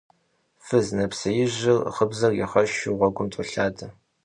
Фыз нэпсеижьыр гыбзэр игъэшу гъуэм толъадэ.